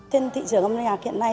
trên thị trường âm nhạc hiện nay